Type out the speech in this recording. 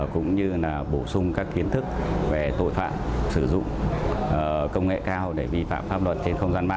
cũng như là bổ sung các kiến thức về tội phạm sử dụng công nghệ cao để vi phạm pháp luật trên không gian mạng